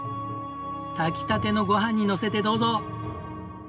炊きたてのごはんにのせてどうぞ。